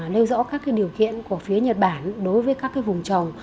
nêu rõ các điều kiện của phía nhật bản đối với các vùng trồng